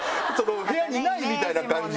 部屋にないみたいな感じで。